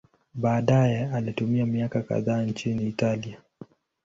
Baadaye alitumia miaka kadhaa nchini Italia.